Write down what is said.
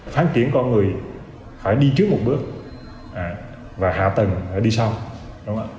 phát triển con người phải đi trước một bước và hạ tầng phải đi sau